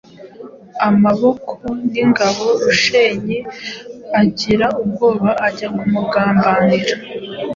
amaboko n’ingabo. Rushenyi agira ubwoba ajya ku mugambanira